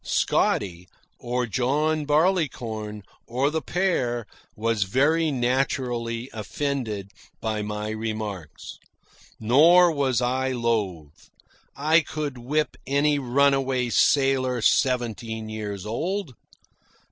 Scotty, or John Barleycorn, or the pair, was very naturally offended by my remarks. Nor was I loath. I could whip any runaway sailor seventeen years old.